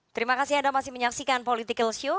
terima kasih anda masih menyaksikan political show